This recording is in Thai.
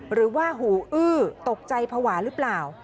หรือว่าหูอื้อตกใจภาวะหรือเปล่า